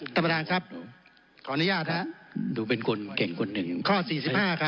ท่านประธานครับขออนุญาตฮะดูเป็นคนเก่งคนหนึ่งข้อสี่สิบห้าครับ